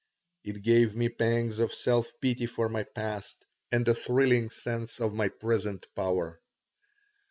It gave me pangs of self pity for my past and a thrilling sense of my present power.